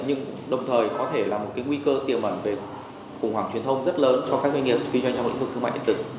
nhưng đồng thời có thể là một cái nguy cơ tiềm ẩn về khủng hoảng truyền thông rất lớn cho các doanh nghiệp kinh doanh trong lĩnh vực thương mại điện tử